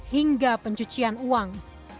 hingga pencucian uang